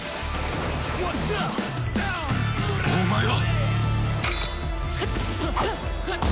お前は！